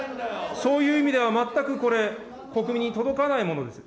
そういう意味では、全くこれ、国民に届かないものです。